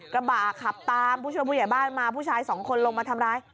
กระบะขับตามผู้ช่วยผู้ใหญ่บ้านมาผู้ชายสองคนลงมาทำร้าย